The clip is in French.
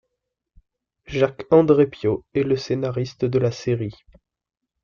Jacques Andrepio est le scénariste de la série.